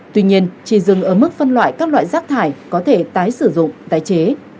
tuy nhiên chỉ dừng ở mức phân loại các loại rác thải có thể tái sử dụng tái chế